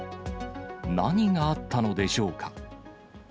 何があったのでしょうか。